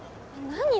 何！？